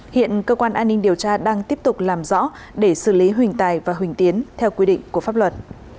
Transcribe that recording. hiện cơ quan an ninh điều tra đang tiếp tục làm rõ để xử lý huỳnh tài và huỳnh tiến theo quy định của pháp luật